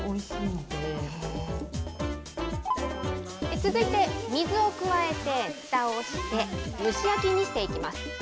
続いて、水を加えてふたをして、蒸し焼きにしていきます。